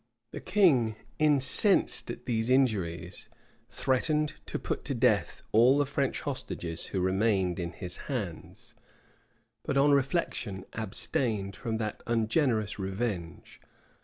The king, incensed at these injuries, threatened to put to death all the French hostages who remained in his hands; but on reflection abstained from that ungenerous revenge.